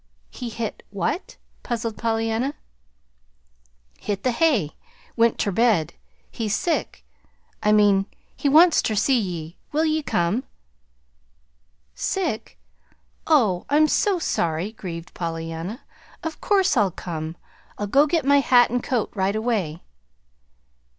"He hit what?" puzzled Pollyanna. "Hit the hay went ter bed. He's sick, I mean, and he wants ter see ye. Will ye come?" "Sick? Oh, I'm so sorry!" grieved Pollyanna. "Of course I'll come. I'll go get my hat and coat right away."